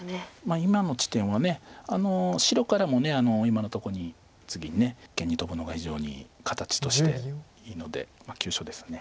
今の地点は白からも今のところに次一間にトブのが非常に形としていいので急所です。